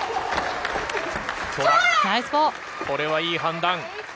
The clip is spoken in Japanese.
これはいい判断。